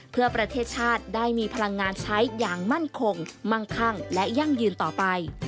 เพื่อประเทศชาติได้มีพลังงานใช้อย่างมั่นคงมั่งคั่งและยั่งยืนต่อไป